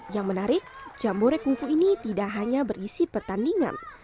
yang menarik jambore kungfu ini tidak hanya berisi pertandingan